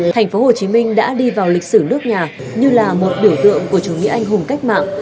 tp hcm đã đi vào lịch sử nước nhà như là một biểu tượng của chủ nghĩa anh hùng cách mạng